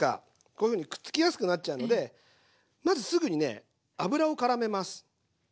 こういうふうにくっつきやすくなっちゃうのでまずすぐにね油をからめます。